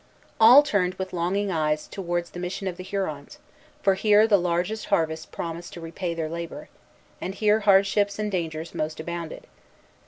All turned with longing eyes towards the mission of the Hurons; for here the largest harvest promised to repay their labor, and here hardships and dangers most abounded.